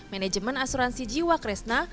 manajemen asuransi jiwa kresna